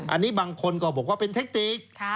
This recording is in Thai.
อันนี้บางคนก็บอกว่าเป็นเทคติก